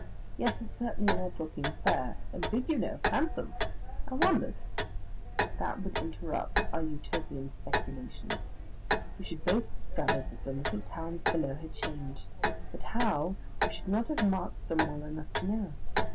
Yes, it's certainly an odd looking affair.... And big, you know! Handsome! I wonder " That would interrupt our Utopian speculations. We should both discover that the little towns below had changed but how, we should not have marked them well enough to know.